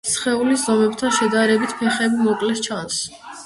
სხეულის ზომებთან შედარებით ფეხები მოკლე ჩანს.